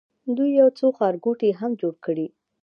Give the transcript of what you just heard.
دوی یو څو ښارګوټي هم جوړ کړي.